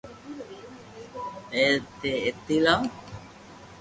اي ني ايني لاو